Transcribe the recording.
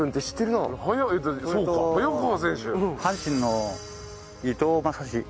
阪神の伊藤将司。